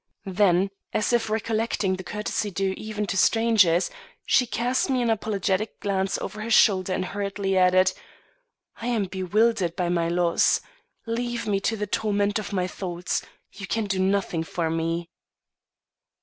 Then, as if recollecting the courtesy due even to strangers, she cast me an apologetic glance over her shoulder and hurriedly added: "I am bewildered by my loss. Leave me to the torment of my thoughts. You can do nothing for me."